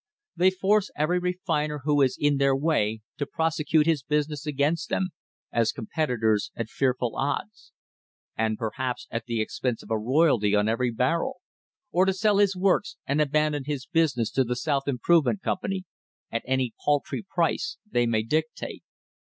They force every refiner who is in their way to prosecute his business against them as competitors at fearful odds, and perhaps at the expense of a royalty on every barrel; or to sell his works and abandon his business to the South Improvement Company at any paltry price they may dictate.